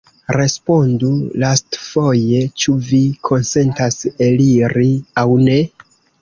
Respondu lastfoje, ĉu vi konsentas eliri aŭ ne?